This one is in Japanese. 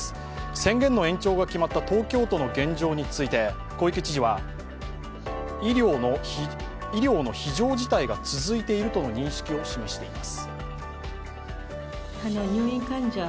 宣言の延長が決まった東京都の現状について小池知事は、医療の非常事態が続いているとの認識を示しています。